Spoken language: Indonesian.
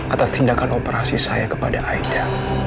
atas tindakan operasi saya kepada aida